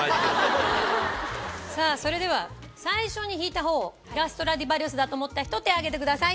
さぁそれでは最初に弾いたほうがストラディバリウスだと思った人手挙げてください。